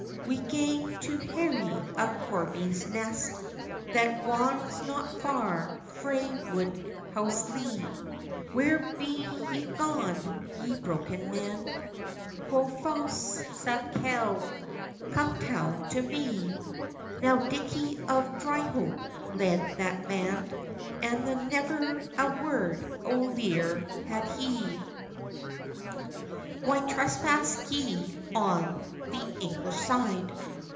"We gang to herry a corbie's nest, That wons not far frae Woodhouselee." "Where be ye gaun, ye broken men?" Quo fause Sakelde; "come tell to me?" Now Dickie of Dryhope led that band, And the nevir a word o lear had he. "Why trespass ye on the English side?